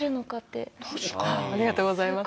ありがとうございます。